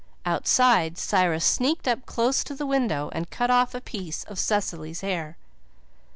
Outside, Cyrus sneaked up close to the window and cut off a piece of Cecily's hair.